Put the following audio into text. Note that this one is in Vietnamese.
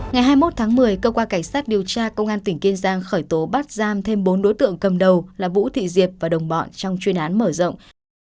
ngày hai mươi một tháng một mươi cơ quan cảnh sát điều tra công an tỉnh kiên giang khởi tố bắt giam thêm bốn đối tượng cầm đầu là vũ thị diệp và đồng bọn trong chuyên án mở rộng